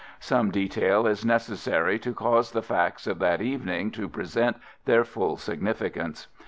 Some detail is necessary to cause the facts of that evening to present their full significance.